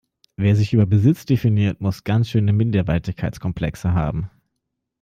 Wer sich so über Besitz definiert, muss ganz schöne Minderwertigkeitskomplexe haben.